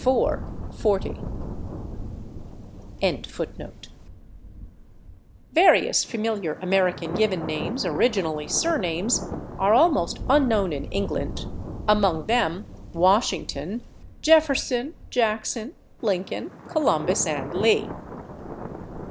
Various familiar American given names, originally surnames, are almost unknown in England, among them, /Washington/, /Jefferson/, /Jackson/, /Lincoln/, /Columbus/ and /Lee